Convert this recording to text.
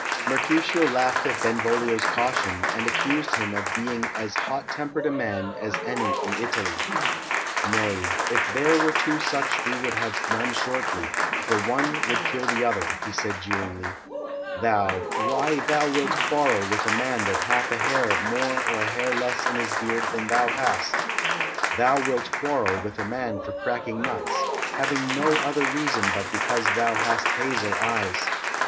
Mercutio laughed at Benvolio's caution, and accused him of being as hot tempered a man as any in Italy. "Nay, if there were two such we should have none shortly, for one would kill the other," he said jeeringly. "Thou! Why, thou wilt quarrel with a man that hath a hair more or a hair less in his beard than thou hast; thou wilt quarrel with a man for cracking nuts, having no other reason but because thou hast hazel eyes.